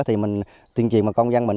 thì mình tuyên trì một công dân mình